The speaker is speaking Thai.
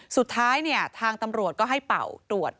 สุดท้ายเนี่ยทางตำรวจก็ให้เป่าตรวจ